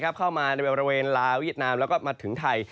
เข้ามาในบริเวณลาวเวียดนามแล้วก็มาถึงไทย